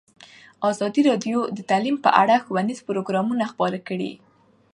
ازادي راډیو د تعلیم په اړه ښوونیز پروګرامونه خپاره کړي.